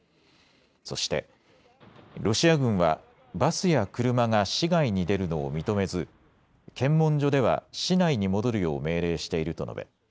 そしてロシア軍はバスや車が市外に出るのを認めず検問所では市内に戻るよう命令していると述べ